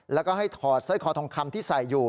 แล้วก็ให้ถอดสร้อยคอทองคำที่ใส่อยู่